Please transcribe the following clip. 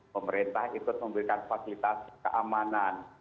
pemerintah ikut memberikan fasilitas keamanan